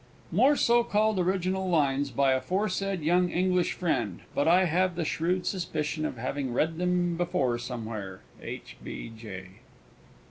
_More so called original lines by aforesaid young English friend. But I have the shrewd suspicion of having read them before somewhere. H. B. J.